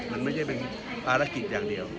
ไม่ได้เป็นทางเดียว